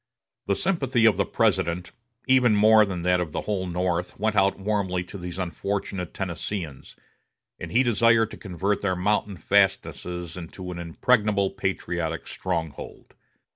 The sympathy of the President, even more than that of the whole North, went out warmly to these unfortunate Tennesseeans, and he desired to convert their mountain fastnesses into an impregnable patriotic stronghold.